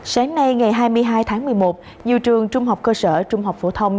sáng nay ngày hai mươi hai tháng một mươi một nhiều trường trung học cơ sở trung học phổ thông